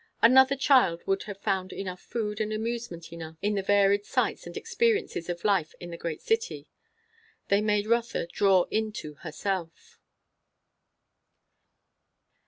Another child would have found food enough and amusement enough in the varied sights and experiences of life in the great city. They made Rotha draw in to herself.